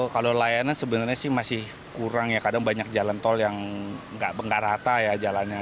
kalau layanan sebenarnya sih masih kurang ya kadang banyak jalan tol yang nggak rata ya jalannya